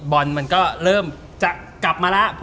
บอลมันก็เริ่มจะกลับมาแล้ว